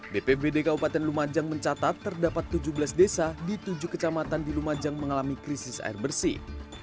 bpbd kabupaten lumajang mencatat terdapat tujuh belas desa di tujuh kecamatan di lumajang mengalami krisis air bersih